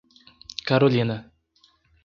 Carolina